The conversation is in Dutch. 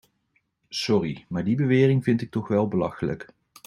Sorry, maar die bewering vind ik toch wel belachelijk.